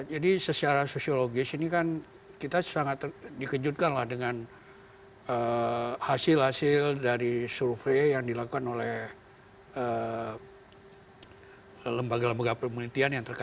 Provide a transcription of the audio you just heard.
jadi sesuara sosiologis ini kan kita sangat dikejutkan lah dengan hasil hasil dari survei yang dilakukan oleh lembaga lembaga pemerintian yang terkenal